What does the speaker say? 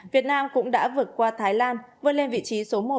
việt nam cũng đã vượt qua thái lan vượt lên vị trí số một